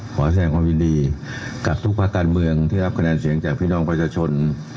แสดงความยินดีกับทุกภาคการเมืองที่รับคะแนนเสียงจากพี่น้องประชาชน